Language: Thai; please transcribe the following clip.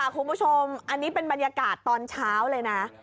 คุณผู้ชมอันนี้เป็นบรรยากาศตอนเช้าเลยนะ